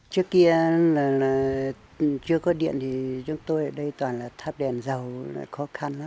trước kia là chưa có điện thì chúng tôi ở đây toàn là tháp đèn dầu khó khăn lắm